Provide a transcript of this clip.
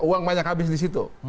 uang banyak habis disitu